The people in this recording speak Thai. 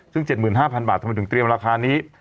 ซึ่ง๗๕๐๐บาททำไมถึงเตรียมราคานี้